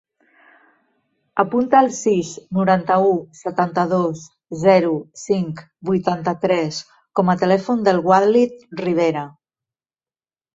Apunta el sis, noranta-u, setanta-dos, zero, cinc, vuitanta-tres com a telèfon del Walid Ribera.